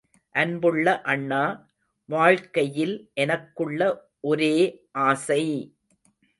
அன்புள்ள அண்ணா, வாழ்க்கையில் எனக்குள்ள ஒரே ஆசை!